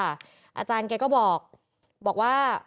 อาจารย์แกก็บอกว่า